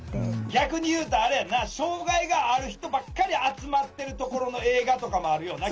逆に言うとあれやんな障害がある人ばっかり集まってるところの映画とかもあるよな逆に。